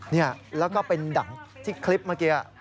นี่แล้วก็เป็นดังที่คลิปเมื่อกี้